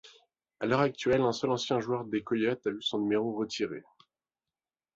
À l'heure actuelle, un seul ancien joueur des Coyotes a vu son numéro retiré.